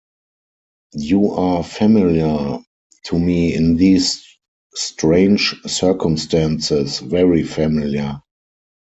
You are familiar to me in these strange circumstances, very familiar.